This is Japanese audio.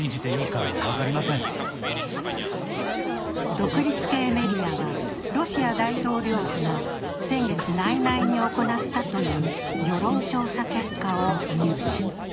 独立系メディアは、ロシア大統領府が先月内々に行ったという世論調査結果を入手。